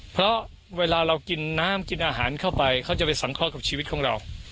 เพราะเวลาเรากินน้ำกินอาหารเข้าไปเขาจะไปสังเคราะห์กับชีวิตของเรา